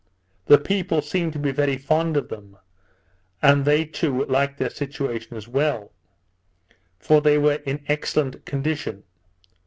The people seemed to be very fond of them, and they to like their situation as well; for they were in excellent condition.